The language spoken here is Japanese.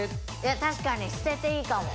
確かに捨てていいと思う。